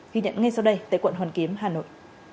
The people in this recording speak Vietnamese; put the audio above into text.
ghi nhận ngay sau đây tại quận hoàn kiếm hà nội